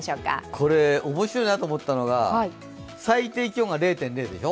これ面白いなと思ったのが最低気温が０．０度でしょ？